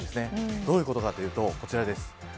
どういうことかというとこちらです。